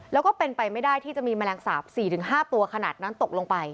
แล้วก็เป็นไปไม่ได้ที่จะมีแมลงสาป๔๕ตัวขนาดนั้นตกลงไป